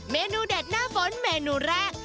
เมนูเด็ดหน้าฝนเมนูแรก